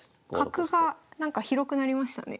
角がなんか広くなりましたね。